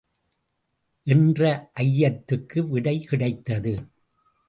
என்ற அய்யத்துக்கு விடை கிடைத்தது.